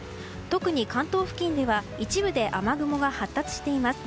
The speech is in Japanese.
特に関東付近では一部で雨雲が発達しています。